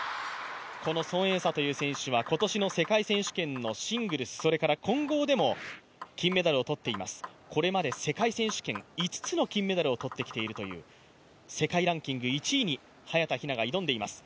この孫エイ莎という選手は今年の世界選手権のシングルス、そして混合でも金メダルを取っています、これまで世界選手権５つの金メダルを取ってきているという世界ランキング１位に早田ひなが挑んでいます。